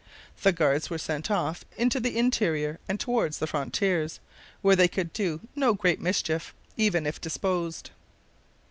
The Guards were sent off into the interior and toward the frontiers, where they could do no great mischief; even if disposed.